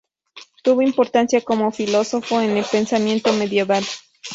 Tuvo importancia como filósofo en el pensamiento medieval.